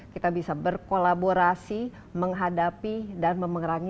kita bisa berkolaborasi menghadapi dan memengerangi